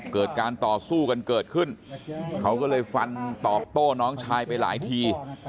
เกิดการต่อสู้กันเกิดขึ้นเขาก็เลยฟันตอบโต้น้องชายไปหลายที